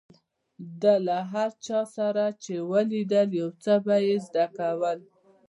ده له هر چا سره چې ولیدل، يو څه به يې زده کول.